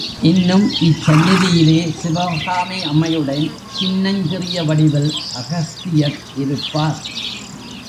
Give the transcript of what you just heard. இன்னும் இச் சந்நிதியிலே சிவகாமி அம்மையுடன், சின்னஞ் சிறிய வடிவில் அகஸ்தியர் இருப்பார்.